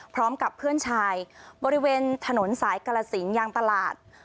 พร้อมกับเพื่อนชายบริเวณถนนสายกรสิงยางตลาด